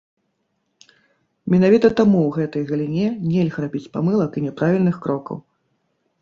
Менавіта таму ў гэтай галіне нельга рабіць памылак і няправільных крокаў.